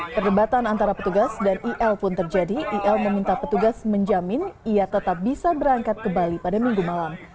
perdebatan antara petugas dan il pun terjadi il meminta petugas menjamin ia tetap bisa berangkat ke bali pada minggu malam